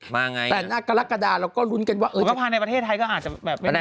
มาไงนะมันก็พาในประเทศไทยก็อาจจะไม่รู้